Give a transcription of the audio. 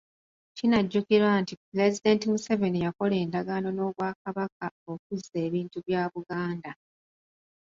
Kinajjukirwa nti Pulezidenti Museveni yakola endagaano n'Obwakabaka okuzza ebintu bya Buganda.